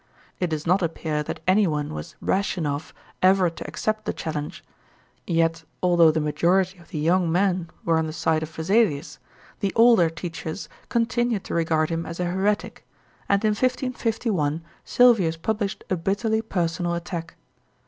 It does not appear that any one was rash enough ever to accept the challenge; yet, although the majority of the young men were on the side of Vesalius, the older teachers continued to regard him as a heretic, and in 1551 Sylvius published a bitterly personal attack.